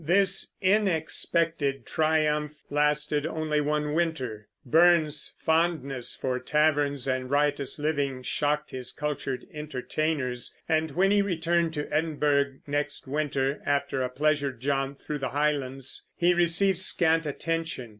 This inexpected triumph lasted only one winter. Burns's fondness for taverns and riotous living shocked his cultured entertainers, and when he returned to Edinburgh next winter, after a pleasure jaunt through the Highlands, he received scant attention.